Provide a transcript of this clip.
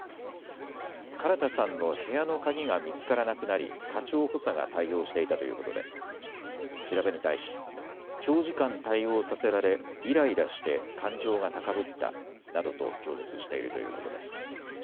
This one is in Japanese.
唐田さんの部屋の鍵が見つからなくなり課長補佐が対応していたということで調べに対し長時間対応させられいらいらして感情が高ぶったなどと供述しているということです。